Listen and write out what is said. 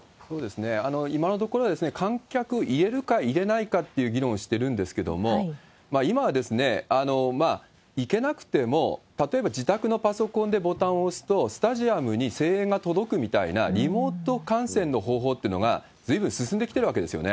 今のところは、観客入れるか入れないかっていう議論をしてるんですけれども、今は行けなくても、例えば自宅のパソコンでボタンを押すと、スタジアムに声援が届くみたいな、リモート観戦の方法っていうのが随分進んできてるわけですよね。